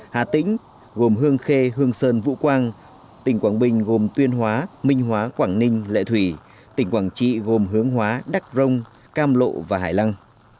hà tĩnh gồm hương khê hương sơn vũ quang tỉnh quảng bình gồm tuyên hóa minh hóa quảng ninh lệ thủy tỉnh quảng trị gồm hướng hóa đắc rông cam lộ và hải lăng